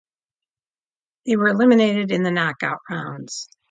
They were eliminated in the knockout rounds.